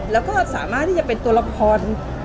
แล้วก็สามารถที่จะเป็นตัวละคร